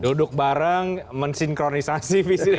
duduk bareng mensinkronisasi visi dari situ